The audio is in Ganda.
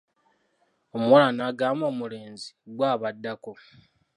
Omuwala n'agamba omulenzi, gwe ab'addako.